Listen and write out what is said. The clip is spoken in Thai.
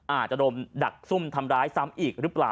อาจจะโดนดักซุ่มทำร้ายซ้ำอีกหรือเปล่า